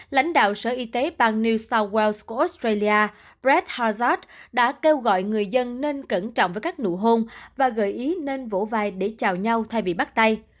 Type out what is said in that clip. lãnh đạo sở y tế bang new south wales của australia bred hajót đã kêu gọi người dân nên cẩn trọng với các nụ hôn và gợi ý nên vỗ vai để chào nhau thay vì bắt tay